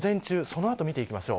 そのあと見ていきましょう。